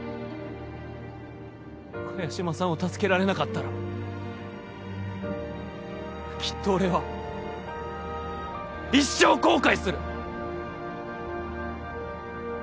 萱島さんを助けられなかったらきっと俺は一生後悔する！